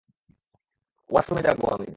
ওয়াশরুমে যাব আমি।